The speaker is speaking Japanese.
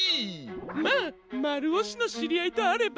まあまるおしのしりあいとあれば。